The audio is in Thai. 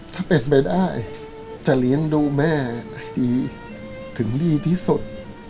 ถ้าเป็นไปได้จะเลี้ยงดูแม่ให้ดีถึงดีที่สุด